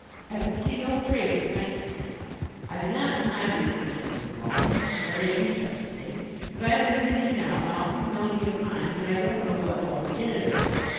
I could see no trace of nitrogen. I do not deny the existence of loam. There may be such a thing. But I am admitting now in all humility of mind that I don't know what loam is.